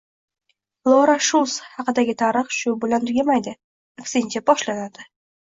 Lora Shuls haqidagi tarix shu bilan tugamaydi, aksincha boshlanadi